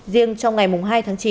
riêng trong ngày mùng hai tháng chín